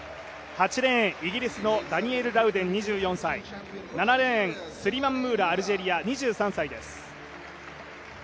８レーン、イギリスのダニエル・ラウデン２４歳、７レーン、スリマン・ムーラ２３歳です。